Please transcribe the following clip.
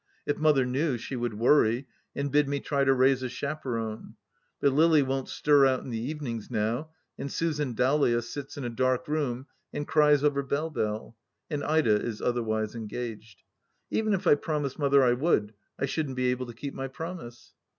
If Mother knew, she would worry, and bid me try to raise a chaperon. But Lily won't stir out in the evenings now, and Susan Dowlais sits in a dark room and cries over Belle Belle, and Ida is otherwise engaged. Even if I pro mised Mother I would, I shouldn't be able to keep my promise.